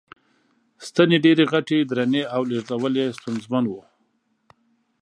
ستنې ډېرې غټې، درنې او لېږدول یې ستونزمن و.